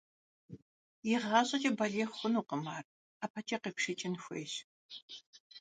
Игъащӏэкӏэ балигъ хъунукъым ар, ӀэпэкӀэ къепшэкӀын хуейщ.